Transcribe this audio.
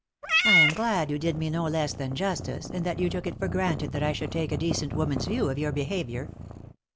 " I am glad you did me no less than justice, and that you took it for granted that I should take a decent woman's view of your behaviour."